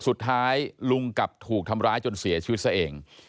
สุดท้ายลุงกลับถูกทำร้ายจนเสียชีวิตซะเอง